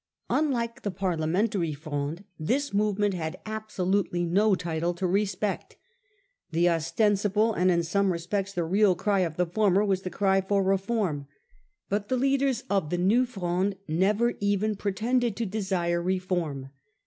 Unlike the Parliamentary Fronde, this movement had absolutely no title to respect. The ostensible and in Character of some res P ects the rea l cry of the former was the New the cry for reform. But the leaders of the Fronde. New p ronc ie never even pretended to desire reform.